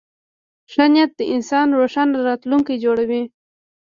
ښه نیت د انسان روښانه راتلونکی جوړوي.